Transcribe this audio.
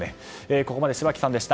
ここまで柴木さんでした。